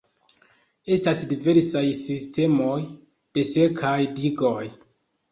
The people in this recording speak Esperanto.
Estas diversaj sistemoj de sekaj digoj.